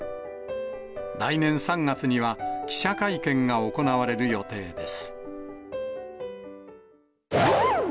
来年３月には、記者会見が行われる予定です。